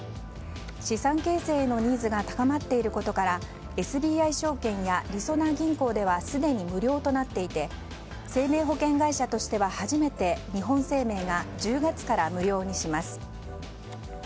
資産形成へのニーズが高まっていることからＳＢＩ証券や、りそな銀行ではすでに無料となっていて生命保険会社としては初めて日本生命が１０月から無料にします。